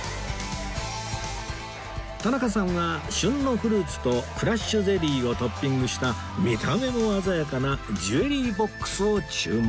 田中さんは旬のフルーツとクラッシュゼリーをトッピングした見た目も鮮やかなジュエリー ＢＯＸ を注文